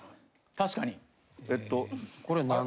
確かに。